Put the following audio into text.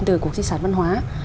từ cuộc di sản văn hóa